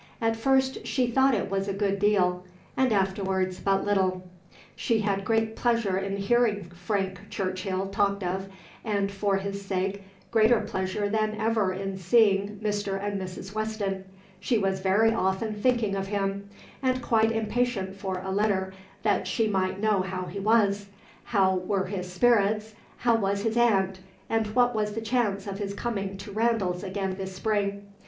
At first she thought it was a good deal; and afterwards but little. She had great pleasure in hearing Frank Churchill talked of; and, for his sake, greater pleasure than ever in seeing Mr. and Mrs. Weston; she was very often thinking of him, and quite impatient for a letter, that she might know how he was, how were his spirits, how was his aunt, and what was the chance of his coming to Randalls again this spring.